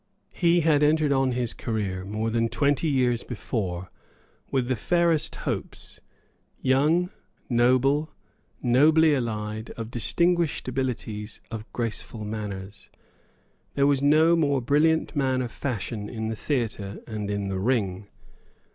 He had entered on his career, more than twenty years before, with the fairest hopes, young, noble, nobly allied, of distinguished abilities, of graceful manners. There was no more brilliant man of fashion in the theatre and in the ring.